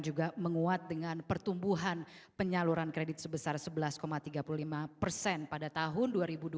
juga menguat dengan pertumbuhan penyaluran kredit sebesar sebelas tiga puluh lima persen pada tahun dua ribu dua puluh